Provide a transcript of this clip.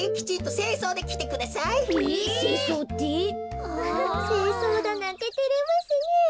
せいそうだなんててれますねえ。